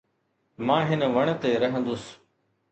مان هن وڻ تي رهندس.